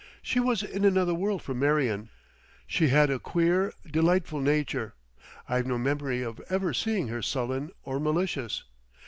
She was in another world from Marion. She had a queer, delightful nature; I've no memory of ever seeing her sullen or malicious.